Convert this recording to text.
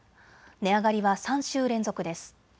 値上がりは３週連続です。